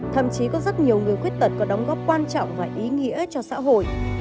thậm chí có rất nhiều người khuyết tật có đóng góp quan trọng và ý nghĩa cho xã hội